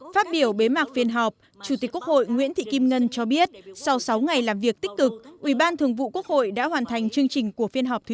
phát biểu bế mạc phiên họp chủ tịch quốc hội nguyễn thị kim ngân cho biết sau sáu ngày làm việc tích cực ủy ban thường vụ quốc hội đã hoàn thành chương trình của phiên họp thứ bảy